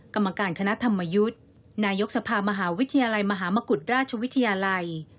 กรรมการคณะธรรมยุทธ์นายกสภามหาวิทยาลัยมหามกุฎราชวิทยาลัย